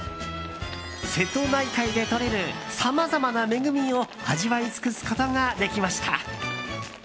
瀬戸内海でとれるさまざまな恵みを味わい尽くすことができました。